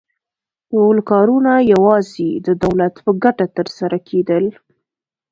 ټول کارونه یوازې د دولت په ګټه ترسره کېدل